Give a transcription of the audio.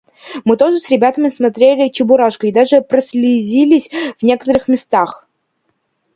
Мы тоже с ребятами смотрели "Чебурашку" и даже прослезились в некоторых местах.